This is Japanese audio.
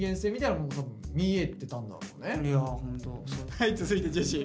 はい続いてジェシー。